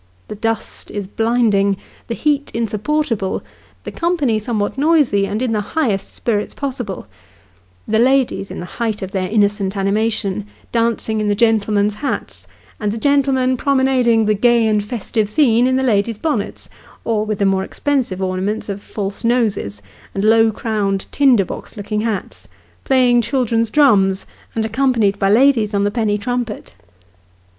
The dust is blinding, the heat insupportable, the company somewhat noisy, and in the highest spirits possible : the ladies, in the height of their innocent animation, dancing in the gentlemen's hats, and the gentlemen promenading the "gay and festive scene " in the ladies' bonnets, or with the more expensive ornaments of false noses, and low crowned, tinder box looking hats : playing children's drums, and accompanied by ladies on the penny trumpet.